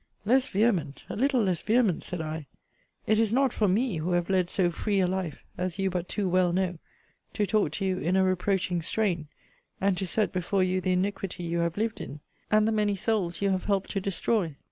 Less vehement! a little less vehement! said I it is not for me, who have led so free a life, as you but too well know, to talk to you in a reproaching strain, and to set before you the iniquity you have lived in, and the many souls you have helped to destroy.